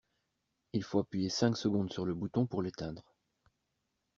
Il faut appuyer cinq secondes sur le bouton pour l'éteindre.